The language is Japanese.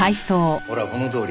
ほらこのとおり。